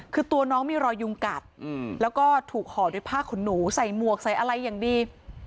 คือตัวน้องมีรอยยุงกัดแล้วก็ถูกห่อด้วยผ้าขนหนูใส่หมวกใส่อะไรอย่างดี